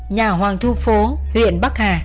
nhà hoàng thu phố huyện bắc hà